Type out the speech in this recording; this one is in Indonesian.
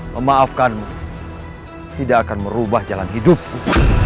memaafkanmu tidak akan merubah jalan hidupku